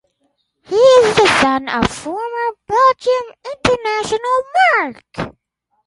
He is the son of former Belgium international Marc.